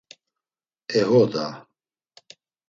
E ho da!